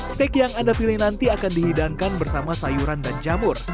steak yang anda pilih nanti akan dihidangkan bersama sayuran dan jamur